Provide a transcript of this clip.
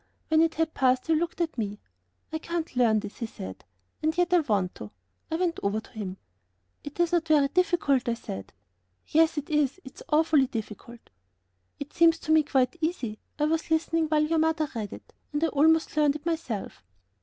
When it had passed he looked at me. "I can't learn this," he said, "and yet I want to." I went over to him. "It is not very difficult," I said. "Yes, it is, it's awfully difficult." "It seems to me quite easy. I was listening while your mother read it, and I almost learned it myself."